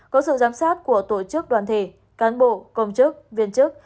có sự giám sát của tổ chức đoàn thể cán bộ công chức viên chức